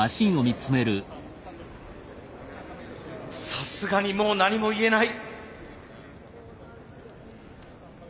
さすがにもう何も言えない。